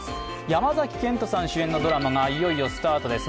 山崎賢人さん主演のドラマがいよいよスタートです。